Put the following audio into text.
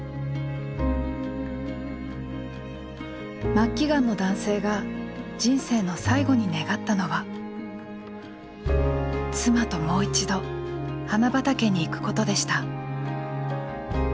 末期がんの男性が人生の最後に願ったのは「妻ともう一度花畑に行くこと」でした。